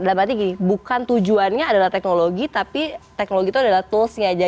dalam arti gini bukan tujuannya adalah teknologi tapi teknologi itu adalah toolsnya aja